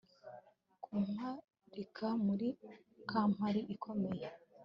kubakira muri kampani ikomeye